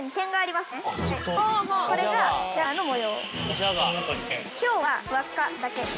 これがジャガーの模様。